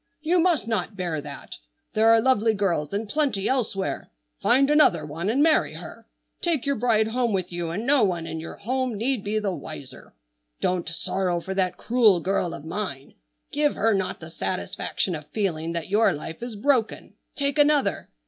You must not bear that. There are lovely girls in plenty elsewhere. Find another one and marry her. Take your bride home with you, and no one in your home need be the wiser. Don't sorrow for that cruel girl of mine. Give her not the satisfaction of feeling that your life is broken. Take another.